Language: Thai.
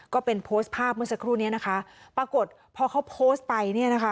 ก็เป็นโพสต์ภาพเมื่อสักครู่นี้นะคะปรากฏพอเขาโพสต์ไปเนี่ยนะคะ